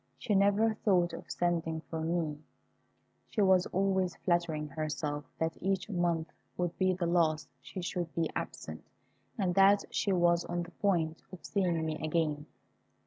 She never thought of sending for me. She was always flattering herself that each month would be the last she should be absent, and that she was on the point of seeing me again.